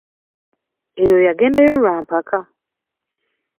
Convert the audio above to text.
Eyo yagendayo lwa mpaka.